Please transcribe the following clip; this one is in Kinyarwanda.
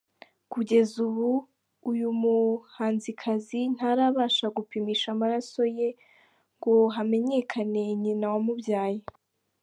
Kugeza ubu uyu muhanzikazi ntarabasha gupimisha amaraso ye ngo hamenyekane nyina wamubyaye.